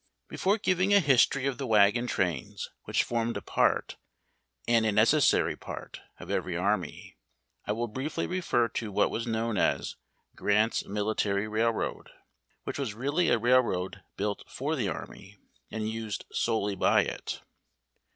EFORE giving a histoiy of the wagon trains which formed a part, and a nec essary part, of every army, I will briefly refer to what was known as " Grant's Military Railroad," which M as really a railroad built for the army, and used solely by it.